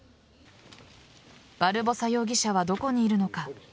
バルボサ容疑者はどこにいるのか。